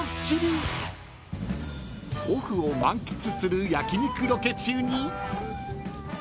［オフを満喫する焼き肉ロケ中に］